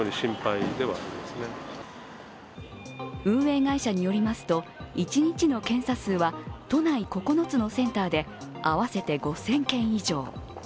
運営会社によりますと、一日の検査数は都内９つのセンターで合わせて５０００件以上。